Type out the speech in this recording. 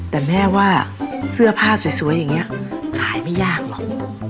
แต่แม่ว่าเสื้อผ้าสวยอย่างนี้ขายไม่ยากหรอก